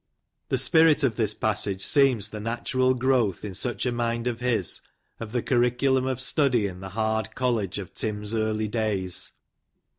'' The spirit of this passage seems the natural growth, in such a mind as his, of the curriculum of study in the hard college of Tim's early days.